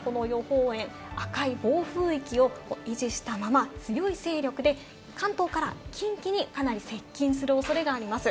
月曜から火曜にかけてはこの予報円、赤い暴風域を維持したまま、強い勢力で関東から近畿にかなり接近する恐れがあります。